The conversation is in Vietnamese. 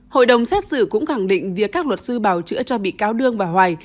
hội đồng xét xử cũng khẳng định việc các luật sư bảo chữa cho bị cáo đương và hoài